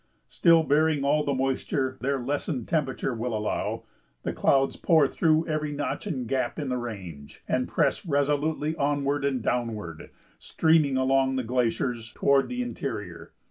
Still bearing all the moisture their lessened temperature will allow, the clouds pour through every notch and gap in the range and press resolutely onward and downward, streaming along the glaciers toward the interior.